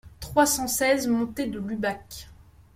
trois cent seize montée de l'Ubac